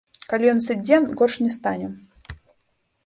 Калі ён сыдзе, горш не стане.